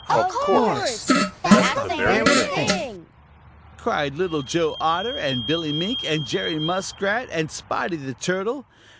"Of course! That's the very thing!" cried Little Joe Otter and Billy Mink and Jerry Muskrat and Spotty the Turtle.